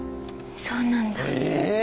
そうなんだ。えっ！？